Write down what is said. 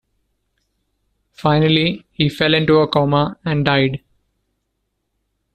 Finally, he fell into a coma and died.